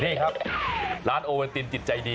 นี่ครับร้านโอเวนตินจิตใจดี